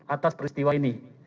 atas peristiwa ini